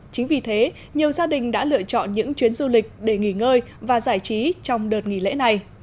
chính vì thế nhiều gia đình đã lựa chọn những chuyến du lịch để nghỉ ngơi và giải trí trong đợt nghỉ lễ này